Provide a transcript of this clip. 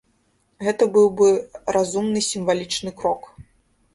Гэта быў бы разумны сімвалічны крок.